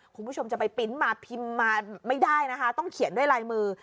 คุณผู้ชมจะไปปริ้นต์มาพิมพ์มาไม่ได้นะคะต้องเขียนด้วยลายมือ